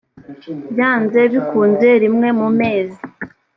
byanze bikunze rimwe mu mezi